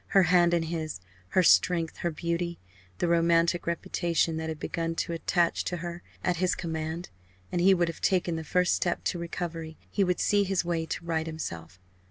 Her hand in his her strength, her beauty, the romantic reputation that had begun to attach to her, at his command and he would have taken the first step to recovery, he would see his way to right himself.